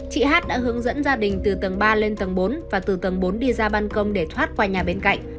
chị hát đã hướng dẫn gia đình từ tầng ba lên tầng bốn và từ tầng bốn đi ra ban công để thoát qua nhà bên cạnh